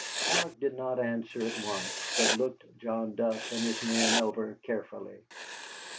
Clark did not answer at once, but looked John Duff and his men over carefully.